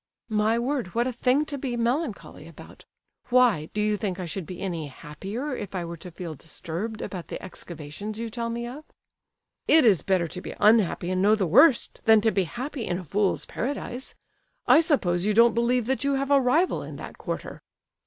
"My word! what a thing to be melancholy about! Why, do you think I should be any happier if I were to feel disturbed about the excavations you tell me of?" "It is better to be unhappy and know the worst, than to be happy in a fool's paradise! I suppose you don't believe that you have a rival in that quarter?"